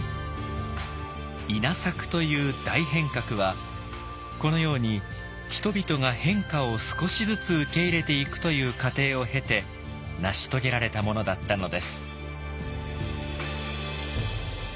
稲作という大変革はこのように人々が変化を少しずつ受け入れていくという過程を経て成し遂げられたものだったのです。